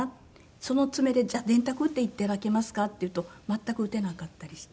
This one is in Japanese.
「その爪でじゃあ電卓打って頂けますか？」っていうと全く打てなかったりして。